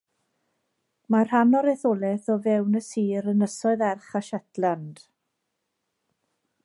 Mae rhan o'r etholaeth o fewn y sir Ynysoedd Erch a Shetland.